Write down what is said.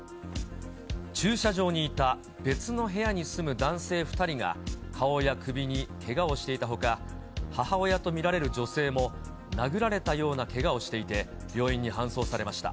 駐車場にいた別の部屋に住む男性２人が、顔や首にけがをしていたほか、母親と見られる女性も殴られたようなけがをしていて、病院に搬送されました。